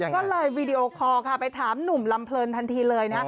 ก็ไลน์วิดีโอคอล์ไปถามหนุ่มลำเผิร์นทันทีเลย